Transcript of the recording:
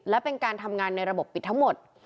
และเป็นการทำงานในระบบปิดทั้งหมด